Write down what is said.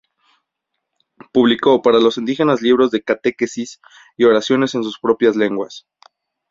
Publicó para los indígenas libros de catequesis y oraciones en sus propias lenguas.